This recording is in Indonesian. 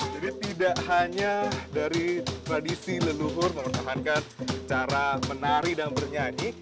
jadi tidak hanya dari tradisi leluhur mengertahankan cara menari dan bernyanyi